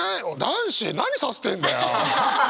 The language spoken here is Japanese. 男子何させてんだよ！